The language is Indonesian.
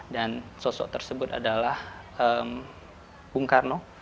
dan sosok tersebut adalah bung karno